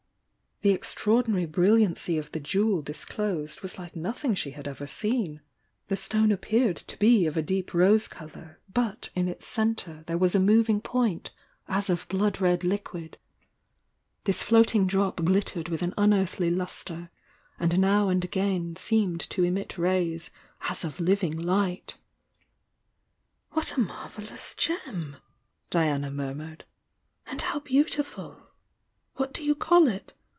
The extraordinary brilliancy of the jewel disclosed was like nothing she had ever seen — the stone ap peared to be of a deep rose colour, but in its centre THE VOUNC; DIANA •no there was a moving point, as of blood red liquid. Thia floating drop glittered with an unearthly lustre, and now and again seemed to emit rays aa of living light "What a marvellous gem!" Diana murmured. "And how beautiful! What do you call it?